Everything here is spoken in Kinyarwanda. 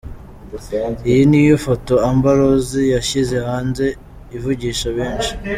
Iyi niyo foto Amber Rose yashyize hanze ivugisha benshi.